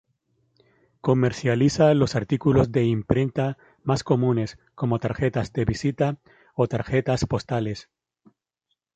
Comercializa los artículos de imprenta más comunes, como tarjetas de visita o tarjetas postales.